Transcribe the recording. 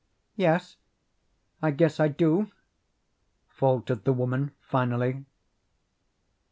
"Yes, I guess I do," faltered the woman finally.